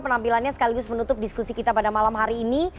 penampilannya sekaligus menutup diskusi kita pada malam hari ini